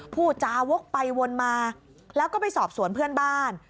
พูดจาวกไปวนมาแล้วก็ไปสอบสวนเพื่อนบ้าน